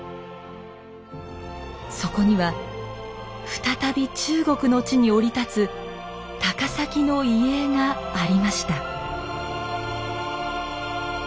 そこには再び中国の地に降り立つ高碕の遺影がありました。